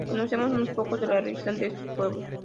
Conocemos muy poco de la religión de estos pueblos.